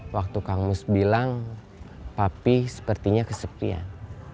waktu kang mus bilang papi sepertinya kesepian